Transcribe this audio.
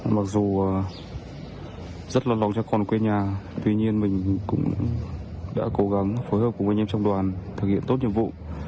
mặc dù rất là lo cho con quê nhà tuy nhiên mình cũng đã cố gắng phối hợp cùng anh em trong đoàn thực hiện tốt nhiệm vụ